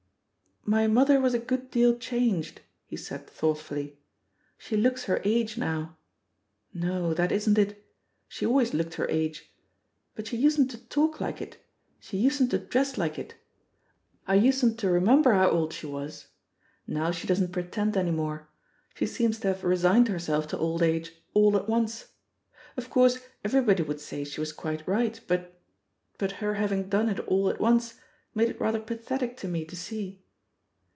"My mother was a good deal changed," he said thoughtfully; "she looks her age now. No, that isn't it! she always looked her age; but she Sl£ .THE POSITION OF PEGGY HAR^EB usedn't to talk like it» sbe usedn't to dress life it — ^I usedn't to remember how old she was* Now fihe doesn't pretend any more. She seems to have resigned herself to old age all at once. Of course everybody would say she was quite right, but — ^but her having done it all at once made it rather pathetic to me to see.